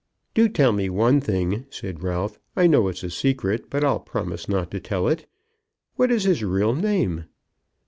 "Do tell me one thing," said Ralph. "I know it's a secret, but I'll promise not to tell it. What is his real name?"